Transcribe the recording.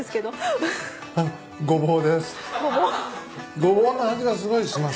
ゴボウの味がすごいします。